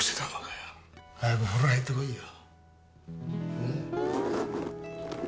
早く風呂入ってこいよ。